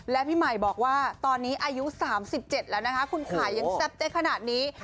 และพี่ใหม่บอกว่าตอนนี้อายุ๓๗แล้วนะคะคุณขายังแซ่บเจ๊ขนาดนี้